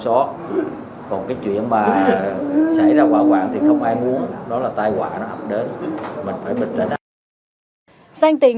còn cái chuyện mà xảy ra quả quảng thì không ai muốn đó là tai quả nó ập đến mình phải bình tĩnh